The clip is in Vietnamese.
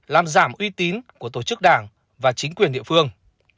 làm giảm uy tín của tổ chức đảng và chính quyền địa phương